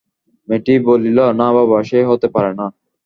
মেয়েটি বলিল, না বাবা, সে হতে পারে না।